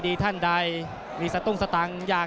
ติดตามยังน้อยกว่า